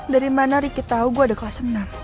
dari mana riki tau gue ada kelas enam